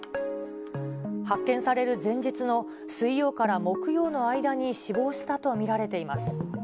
発見される前日の水曜から木曜の間に死亡したと見られています。